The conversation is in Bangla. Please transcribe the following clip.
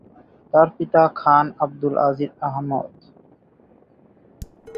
তার পিতা খান আবদুল আজিজ আহমদ।